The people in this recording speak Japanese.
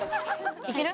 いける？